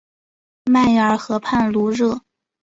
迈尔河畔卢热。